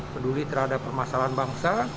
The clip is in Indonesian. peduli terhadap permasalahan bangsa